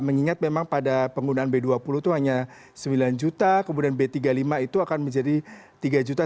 mengingat memang pada penggunaan b dua puluh itu hanya sembilan juta kemudian b tiga puluh lima itu akan menjadi tiga juta